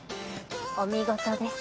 お見事です。